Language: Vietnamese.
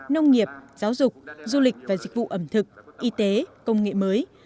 nông nghiệp giáo dục du lịch và dịch vụ ẩm thực y tế công nghệ mới